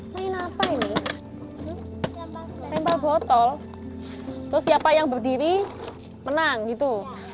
main apa ini tembak botol terus siapa yang berdiri menang gitu